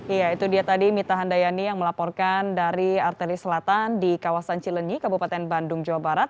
iya itu dia tadi mita handayani yang melaporkan dari arteri selatan di kawasan cilenyi kabupaten bandung jawa barat